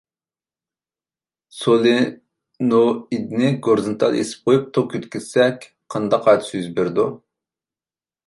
سولېنوئىدنى گورىزونتال ئېسىپ قويۇپ توك ئۆتكۈزسەك قانداق ھادىسە يۈز بېرىدۇ؟